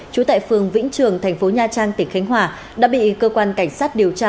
chú tại phường vĩnh trường tp nha trang tp khánh hòa đã bị cơ quan cảnh sát điều tra